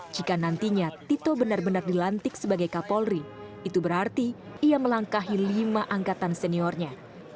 jika nantinya tito benar benar dilantik sebagai kapolri itu berarti ia melangkahi lima angkatan seniornya